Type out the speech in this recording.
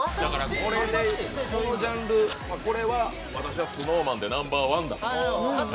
このジャンルこれは私はＳｎｏｗＭａｎでナンバーワンだ。